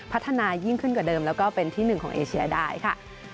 พัฒนายิ่งขึ้นกว่าเดิมแล้วก็เป็นที่หนึ่งของเอเชียได้ค่ะ